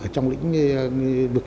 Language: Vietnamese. trong lĩnh bực như thế này